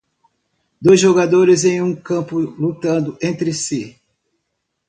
dois jogadores em um campo lutando entre si.